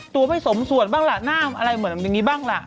ตัวไม่สมสวดบ้างล่ะหน้าอะไรเหมือนอย่างนี้บ้างล่ะ